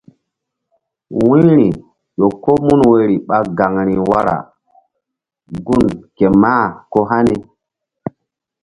Wu̧yri ƴo ko mun woyri ɓa gaŋri wara gun ke mah ko hani.